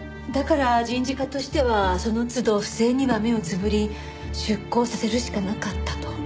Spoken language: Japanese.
だから人事課としてはその都度不正には目をつぶり出向させるしかなかったと。